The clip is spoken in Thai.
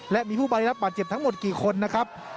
และมีผู้บาดเจ็บทั้งหมดกี่คนนะครับ